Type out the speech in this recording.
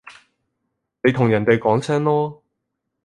你同人哋講聲囉